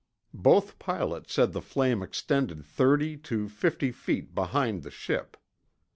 Both pilots said the flame extended thirty to fifty feet behind the ship.